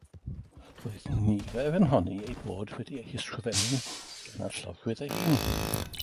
Roedd nifer yn honni eu bod wedi eu hysgrifennu gan y llofrudd ei hun.